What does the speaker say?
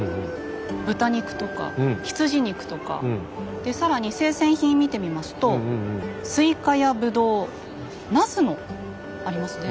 豚肉とか羊肉とかで更に生鮮品見てみますとスイカやブドウナスもありますね。